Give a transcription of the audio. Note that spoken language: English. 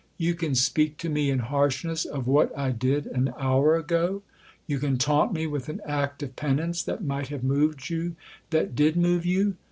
" You can speak to me in harshness of what I did an hour ago ? You can taunt me with an act of penance that might have moved you that did move you